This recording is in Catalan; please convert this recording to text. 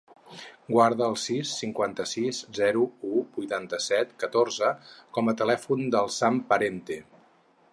Guarda el sis, cinquanta-sis, zero, u, vuitanta-set, catorze com a telèfon del Sam Parente.